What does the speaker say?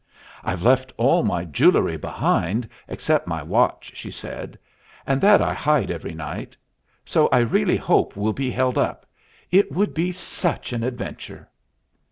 "I've left all my jewelry behind, except my watch," she said, "and that I hide every night. So I really hope we'll be held up, it would be such an adventure."